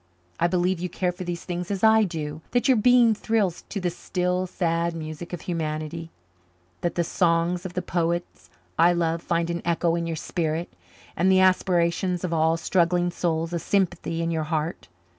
I believe you care for these things as I do that your being thrills to the 'still, sad music of humanity' that the songs of the poets I love find an echo in your spirit and the aspirations of all struggling souls a sympathy in your heart.